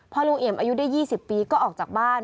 พอลุงเอี่ยมอายุได้๒๐ปีก็ออกจากบ้าน